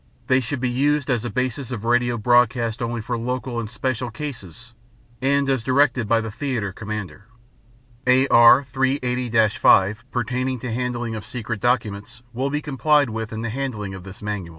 They should be used as a basis of radio broadcasts only for local and special cases and as directed by the theater commander. AR 380 5, pertaining to handling of secret documents, will be complied with in the handling of this Manual.